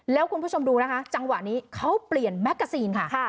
แล้วคุณผู้ชมดูนะคะจังหวะนี้เขาเปลี่ยนแมกกาซีนค่ะ